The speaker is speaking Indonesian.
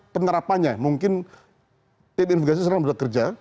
penerapannya mungkin tim infeksi sekarang belum bekerja